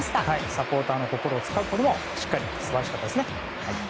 サポーターの心をつかむことでもしっかり素晴らしかったですね。